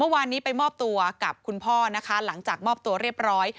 เมื่อวานนี้ไปมอบตัวกับคุณพ่อนะคะหลังจากมอบตัวเรียบร้อย